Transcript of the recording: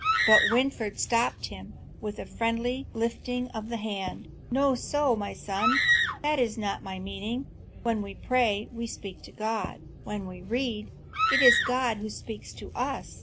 But Winfried stopped him with a friendly lifting of the hand. "No so, my son; that was not my meaning. When we pray, we speak to God; when we read, it is God who speaks to us.